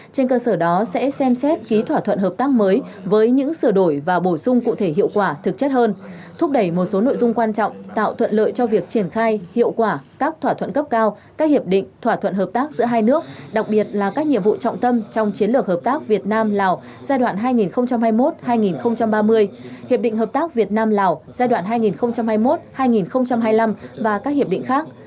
trên cơ sở đó sẽ xem xét ký thỏa thuận hợp tác mới với những sửa đổi và bổ sung cụ thể hiệu quả thực chất hơn thúc đẩy một số nội dung quan trọng tạo thuận lợi cho việc triển khai hiệu quả các thỏa thuận cấp cao các hiệp định thỏa thuận hợp tác giữa hai nước đặc biệt là các nhiệm vụ trọng tâm trong chiến lược hợp tác việt nam lào giai đoạn hai nghìn hai mươi một hai nghìn ba mươi hiệp định hợp tác việt nam lào giai đoạn hai nghìn hai mươi một hai nghìn hai mươi năm và các hiệp định khác